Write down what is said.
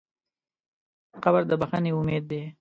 قبر د بښنې امید دی.